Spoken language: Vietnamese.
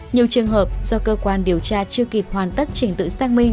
nhiều trường hợp do cơ quan điều tra chưa kịp hoàn tất trình tự xác minh